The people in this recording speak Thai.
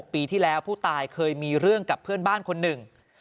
ปีที่แล้วผู้ตายเคยมีเรื่องกับเพื่อนบ้านคนหนึ่ง